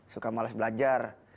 suka males belajar